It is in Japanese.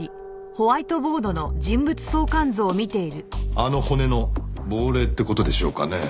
あの骨の亡霊って事でしょうかね？